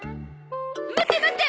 待って待って！